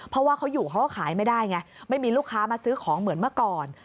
เพราะว่าเขาอยู่เขาก็ขายไม่ได้ไงไม่มีลูกค้ามาซื้อของเหมือนเมื่อก่อน